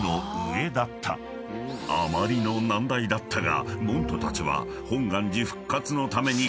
［あまりの難題だったが］